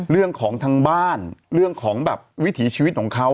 เรื่องของทางบ้านเรื่องของแบบวิถีชีวิตของเขา